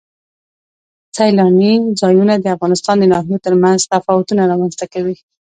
سیلانی ځایونه د افغانستان د ناحیو ترمنځ تفاوتونه رامنځ ته کوي.